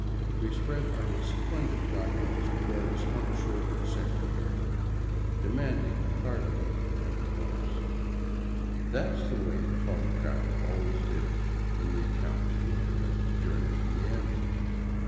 We spread our resplendent docu ment before his hump shouldered secretary, demanding a .cargador at once. That 's the way the haughty traveler always did in the accounts we had read of journeys in the Andes.